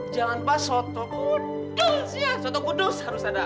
jangan pas soto kudus ya soto kudus harus ada